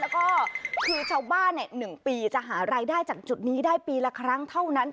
แล้วก็คือชาวบ้าน๑ปีจะหารายได้จากจุดนี้ได้ปีละครั้งเท่านั้น